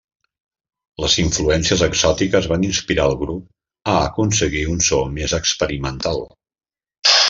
Les influències exòtiques van inspirar al grup a aconseguir un so més experimental.